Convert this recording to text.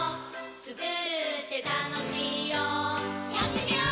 つくるってたのしいよやってみよー！